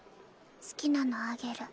好きなのあげる。